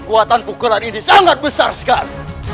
kuatan pukulan ini sangat besar sekar